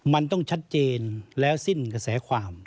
มันต้องชัดเจนแล้วสิ้นกระแสความ